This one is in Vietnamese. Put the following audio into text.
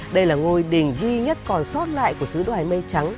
đây là ngôi đình duy nhất còn sót lại của sứ đoài mây trắng